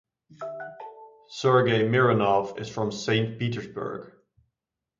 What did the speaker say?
Sergey Mironov is from Saint Petersburg.